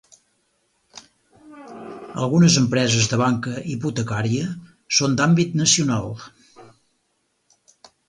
Algunes empreses de banca hipotecària són d'àmbit nacional.